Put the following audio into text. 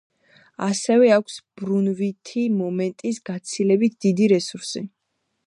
ასევე აქვს ბრუნვითი მომენტის გაცილებით დიდი რესურსი.